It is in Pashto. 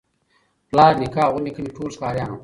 پلار نیکه او ورنیکه مي ټول ښکاریان وه